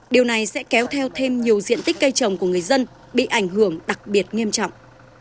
điều này sẽ kéo theo thêm nhiều diện tích cây trồng của người dân bị ảnh hưởng đặc biệt nghiêm trọng